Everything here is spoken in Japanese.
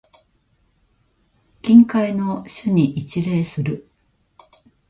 近海の主に一礼する。